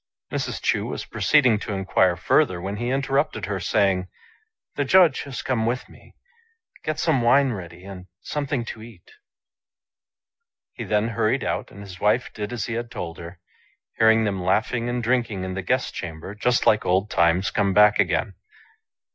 Mrs. Cbu was proceeding to inquire further, when he inter rupted her, saying, " The Judge has come with me ; get some wine ready and something to eat." He then hurried out, and his wife did as he had told her, hearing them laughing and drinking in the guest chamber just like old times come back again.